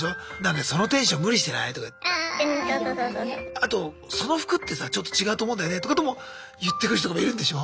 あと「その服ってさちょっと違うと思うんだよね」ってことも言ってくる人とかいるんでしょ？